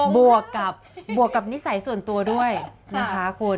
บวกกับนิสัยส่วนตัวด้วยนะคะคุณ